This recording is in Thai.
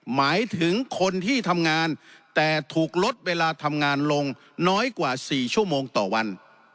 หมายถึงคนที่ทำงานแต่ถูกลดเวลาทำงานลงน้อยกว่า๔ชั่วโมงต่อวัน